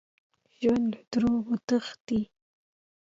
ژوندي له دروغو تښتي